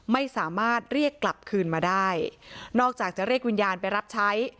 ไม่สามารถเรียกกลับคืนมาได้นอกจากจะเรียกวิญญาณไปรับใช้